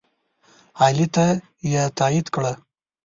علي ته یې تایید کړه.